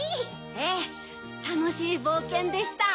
ええたのしいぼうけんでした。